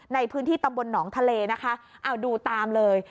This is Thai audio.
ในพื้นที่ตำบลหนองทะเลนะคะเอาดูตามเลย